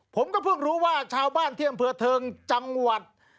ผมก็เพิ่งรู้ว่าชาวบ้านที่อำเภอเทิงจังหวัด